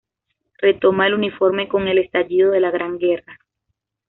Retoma el uniforme con el estallido de la Gran Guerra.